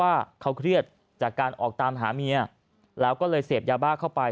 ว่าเขาเครียดจากการออกตามหาเมียแล้วก็เลยเสพยาบ้าเข้าไป